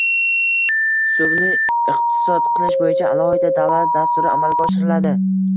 suvni iqtisod qilish bo‘yicha alohida davlat dasturi amalga oshiriladi.